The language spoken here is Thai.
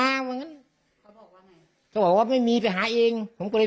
วันนั้นเขาบอกว่าไงเขาบอกว่าไม่มีไปหาเองผมก็เลย